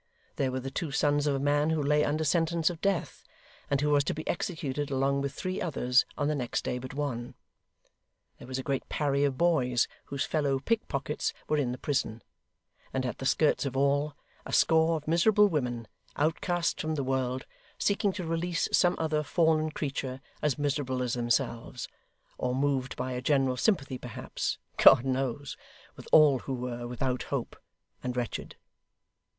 There were the two sons of a man who lay under sentence of death, and who was to be executed along with three others, on the next day but one. There was a great party of boys whose fellow pickpockets were in the prison; and at the skirts of all, a score of miserable women, outcasts from the world, seeking to release some other fallen creature as miserable as themselves, or moved by a general sympathy perhaps God knows with all who were without hope, and wretched.